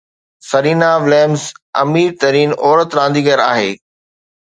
Serena Williams امير ترين عورت رانديگر آهي